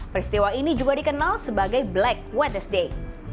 peristiwa ini juga dikenal sebagai black wednesday